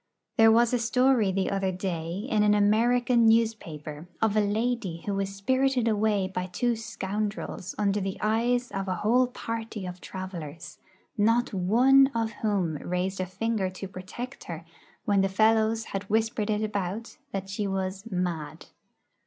There was a story the other day in an American newspaper of a lady who was spirited away by two scoundrels under the eyes of a whole party of travellers, not one of whom raised a finger to protect her when the fellows had whispered it about that she was 'mad.'